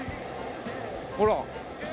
ほら。